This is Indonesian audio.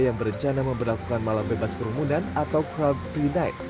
yang berencana memperlakukan malam bebas kerumunan atau crowd free night